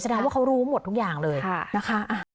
แสดงว่าเขารู้หมดทุกอย่างเลยนะคะ